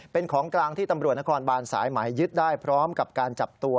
เป็นของกลางที่ตำรวจนครบานสายหมายยึดได้พร้อมกับการจับตัว